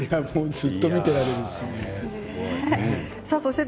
ずっと見ていられるし。